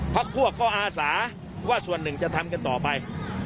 พักพวกเขาอาสาว่าส่วนหนึ่งจะทำกันต่อไป